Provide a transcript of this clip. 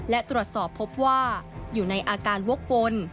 และตรวจสอบพบว่าอยู่ในอาการวกวน